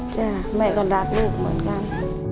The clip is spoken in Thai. ใช่แม่ก็รักลูกเหมือนกัน